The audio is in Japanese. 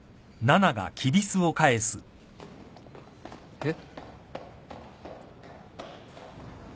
えっ？